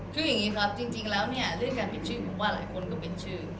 คืออย่างนี้ครับจริงแล้วเนี่ยเรื่องการผิดชื่อผมว่าหลายคนก็เป็นชื่อ